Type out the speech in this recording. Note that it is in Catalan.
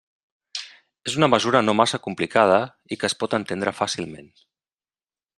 És una mesura no massa complicada i que es pot entendre fàcilment.